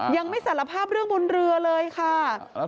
ยังไม่สารภาพเรื่องบนเรือเลยค่ะ